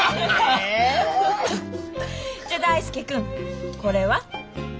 じゃ大介君これは？